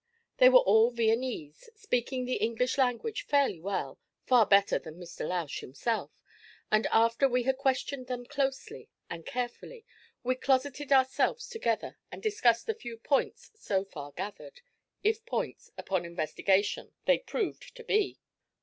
They were all Viennese, speaking the English language fairly well, far better than Mr. Lausch himself; and after we had questioned them closely and carefully, we closeted ourselves together and discussed the few 'points' so far gathered, if points, upon investigation, they proved to be.